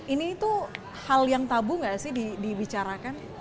ini itu hal yang tabu gak sih dibicarakan